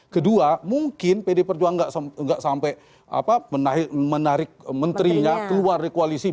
kedua mungkin pd perjuangan nggak sampai menarik menterinya keluar dari koalisi